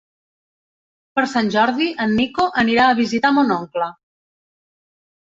Per Sant Jordi en Nico anirà a visitar mon oncle.